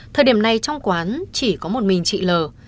thời điểm này trong quán chỉ có một mình chị lờ